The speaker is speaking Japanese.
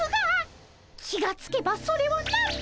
気がつけばそれはなんと。